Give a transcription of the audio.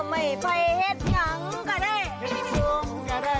ไม่ไปเห็ดหนังก็ได้